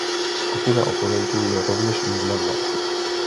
Skupina oponentů je rovněž významná.